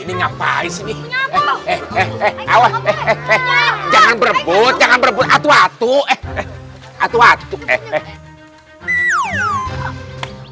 ini ngapain sih eh eh eh eh eh jangan berbut jangan berbun atuh atuh eh atuh atuh eh eh